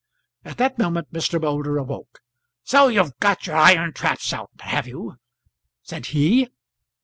At that moment Mr. Moulder awoke. "So you've got your iron traps out, have you?" said he.